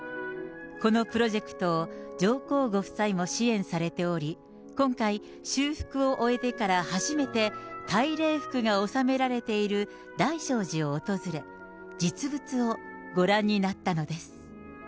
このプロジェクトを、上皇ご夫妻も支援されており、今回、修復を終えてから初めて、大礼服が収められている大聖寺を訪れ、実物をご覧になったのです。